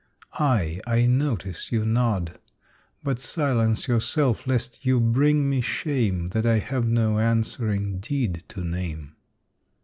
Aye, I notice you nod, But silence yourself, lest you bring me shame That I have no answering deed to name.